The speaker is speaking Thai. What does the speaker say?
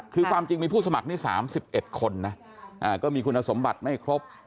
คือความจริงมีผู้สมัครนี่๓๑คนนะก็มีคุณสมบัติไม่ครบ